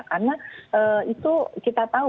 karena itu kita tahu